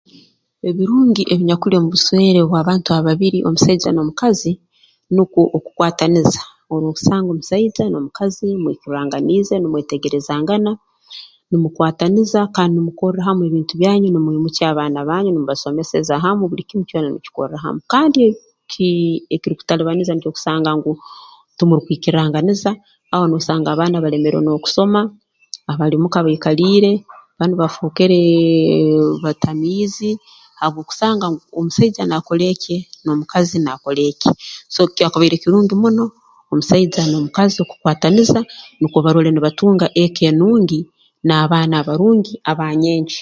Ebirungi ebinyakuli omu buswere obw'abantu ababiri omusaija n'omukazi nukwo okukwataniza oroosanga omusaija n'omukazi mwikirranganiize numwetegerezangana numukwataniza kandi numukorra hamu ebintu byanyu numwimukya abaana banyu numubasomeseza hamu buli kimu kyona numukikorra hamu kandi ekii ekirukutalubaniza nikyo kusanga ngu tumukwikiranganiza aho noosanga abaana balemerwe n'okusoma abali mu ka baikaliire banu bafookereee batamiizi habw'okusanga ngu omusaija naakora ekye n'omukazi naakora ekye so kyakubaire kirungi muno omusaija n'omukazi okukwataniza nukwo barole nibatunga eka enungi n'abaana abarungi aba nyenkya